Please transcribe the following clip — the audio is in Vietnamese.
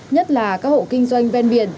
nhất là các hộ kinh doanh ven biển